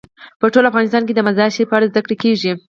په ټول افغانستان کې د مزارشریف په اړه زده کړه کېږي.